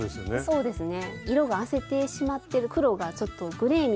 そうですね。